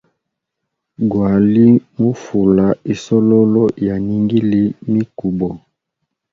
Gwali mu fula isololo ya ningili mikubo.